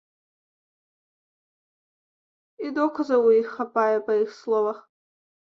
І доказаў у іх хапае, па іх словах.